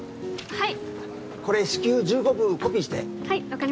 はい。